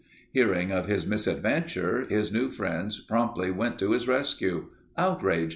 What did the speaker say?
Hearing of his misadventure, his new friends promptly went to his rescue. "... Outrage